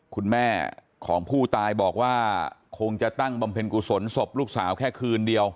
คุณแม่ของผู้ตายบอกว่าคงจะตั้งบำเพ็ญกุศลศพลูกสาวแค่คืนเดียว